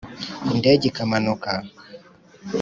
Indege ikamauka